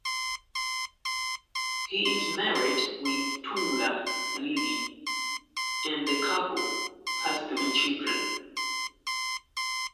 He is married with Tuula Lyly and the couple has three children.